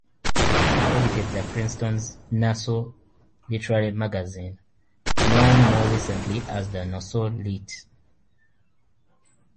He edited the Princeton's "Nassau Literary Magazine", known more recently as "The Nassau Lit".